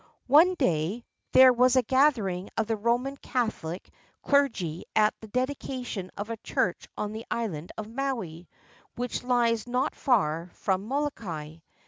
. One day there was a gathering of the Roman Catholic 528 FATHER DAMIEN clergy at the dedication of a church on the island of Maui, which lies not far from Molokai.